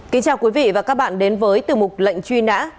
kính chào quý vị và các bạn đến với tiểu mục lệnh truy nã